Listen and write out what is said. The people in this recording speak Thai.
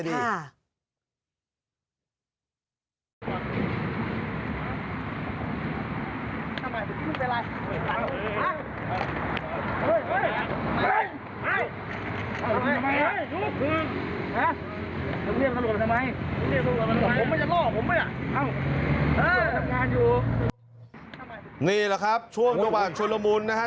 นี่แหละครับช่วงบ้านชุดละมุนนะครับ